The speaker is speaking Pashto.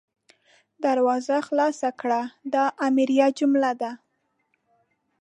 دروازه خلاصه کړه – دا امریه جمله ده.